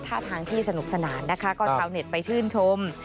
ท่าทางที่สนุกสนานนะคะก็ชาวเน็ตไปชื่นชม